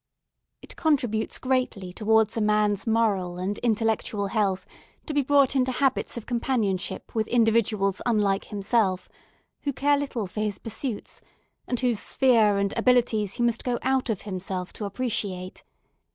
It contributes greatly towards a man's moral and intellectual health to be brought into habits of companionship with individuals unlike himself, who care little for his pursuits, and whose sphere and abilities he must go out of himself to appreciate.